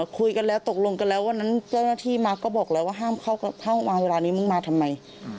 คุยกันแล้วตกลงกันแล้ววันนั้นเจ้าหน้าที่มาก็บอกแล้วว่าห้ามเข้ามาเวลานี้มึงมาทำไม